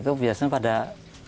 saya sudah ingin berhasil